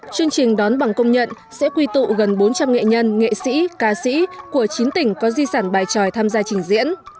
chương trình đón bằng công nhận sẽ quy tụ gần bốn trăm linh nghệ nhân nghệ sĩ ca sĩ của chín tỉnh có di sản bài tròi tham gia trình diễn